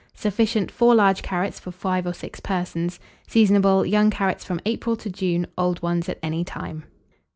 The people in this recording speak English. Sufficient, 4 large carrots for 5 or 6 persons. Seasonable. Young carrots from April to June, old ones at any time.